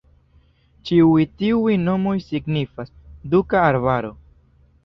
Ĉiuj tiuj nomoj signifas "Duka Arbaro".